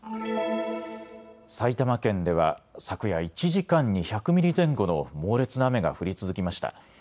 埼玉県では昨夜、１時間に１００ミリ前後の猛烈な雨が降り続きました。